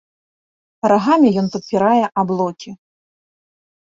Рагамі ён падпірае аблокі.